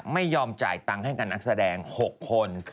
ไม่ยอมจ่ายตังค์ให้กับนักแสดง๖คน